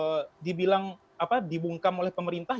sejak kejadian itu bukan kemudian saya dibungkam oleh pemerintah